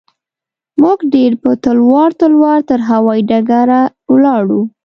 موږ ډېر په تلوار تلوار تر هوايي ډګره ولاړو.